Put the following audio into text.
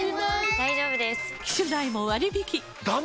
大丈夫です！